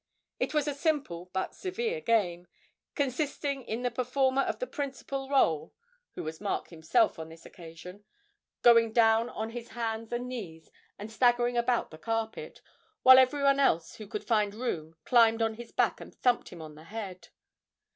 It was a simple but severe game, consisting in the performer of the principal rôle who was Mark himself on this occasion going down on his hands and knees and staggering about the carpet, while everyone else who could find room climbed on his back and thumped him on the head.